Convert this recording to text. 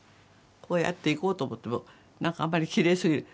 こうやって行こうと思っても何かあんまりきれいすぎる。